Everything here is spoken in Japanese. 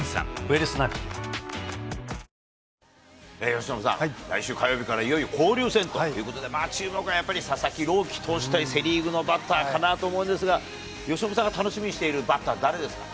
由伸さん、来週火曜日から、いよいよ交流戦ということで、注目はやっぱり、佐々木朗希投手対セ・リーグのバッターかなと思うんですが、由伸さんが楽しみにしているバッター誰ですか？